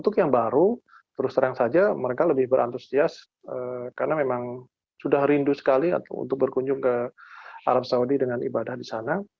karena memang sudah rindu sekali untuk berkunjung ke arab saudi dengan ibadah di sana